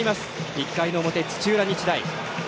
１回の表、土浦日大。